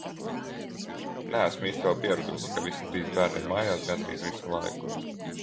Neesmu īsti vēl pieradusi, ka visi trīs bērni ir mājās gandrīz visu laiku.